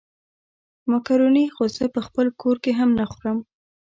مېکاروني خو زه په خپل کور کې هم نه خورم.